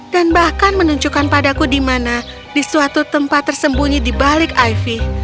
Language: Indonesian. dan bahkan menunjukkan padaku di mana di suatu tempat tersembunyi di balik ivy